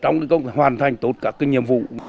đã giúp đỡ các lực lượng để hoàn thành tốt các nhiệm vụ